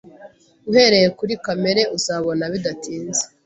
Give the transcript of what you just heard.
Uhereye kuri kamere uzabona bidatinze